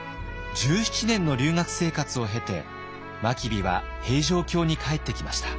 １７年の留学生活を経て真備は平城京に帰ってきました。